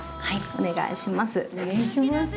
お願いします。